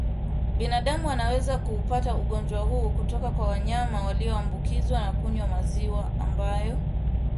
Binadamu anaweza kuupata ugonjwa huu kutoka kwa wanyama walioambukizwa kwa kunywa maziwa ambayo hayajachemshwa